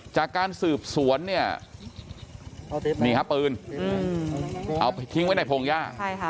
จากการสืบสวนเนี่ยนี่ครับปืนเอาทิ้งไว้ในพงหญ้า